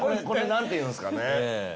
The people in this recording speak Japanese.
これ何て言うんですかね。